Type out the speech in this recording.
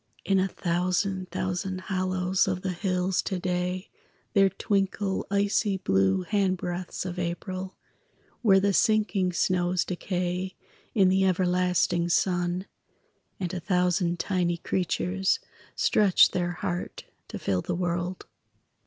In a thousand thousand hollows Of the hills to day there twinkle Icy blue handbreadths of April, Where the sinking snows decay In the everlasting sun; And a thousand tiny creatures Stretch their heart to fill the world.